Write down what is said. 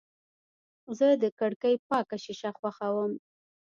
زه د کړکۍ پاکه شیشه خوښوم.